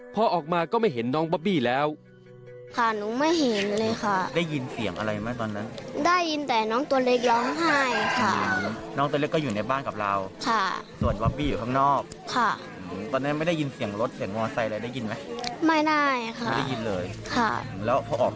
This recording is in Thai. พอออกมาก็ไม่เห็นน้องบอบบี้แล้วค่ะ